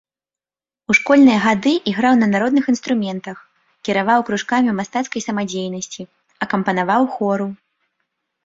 У школьныя гады іграў на народных інструментах, кіраваў кружкамі мастацкай самадзейнасці, акампанаваў хору.